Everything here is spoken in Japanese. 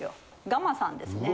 ガマさんですね。